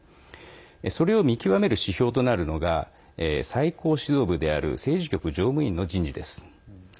それを見極める指標となるのが最高指導部である政治局常務委員の人事です。